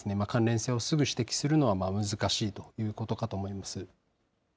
関連性をすぐ指摘するのは難しいということかと思います。